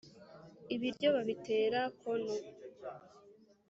Ibiryo babitera kono